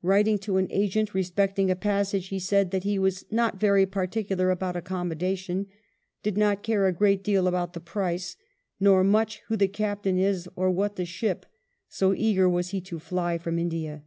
Writing to an agent respecting a passage, he said that he was " not very particular about accommodation," did not " care a great deal about the price," nor " much who the captain is or what the ship," so eager was he to fly from India.